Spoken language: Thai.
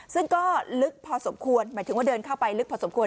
ซึ่งก็ลึกพอสมควรหมายถึงว่าเดินเข้าไปลึกพอสมควร